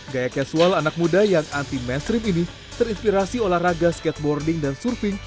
gaya casual anak muda yang anti mainstream ini terinspirasi olahraga skateboarding dan surfing